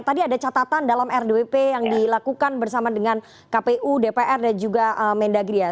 tadi ada catatan dalam rdwp yang dilakukan bersama dengan kpu dpr dan juga mendagri ya